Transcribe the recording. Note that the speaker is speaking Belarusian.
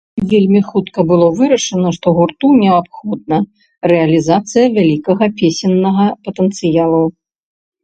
Вельмі хутка было вырашана, што гурту неабходна рэалізацыя вялікага песеннага патэнцыялу.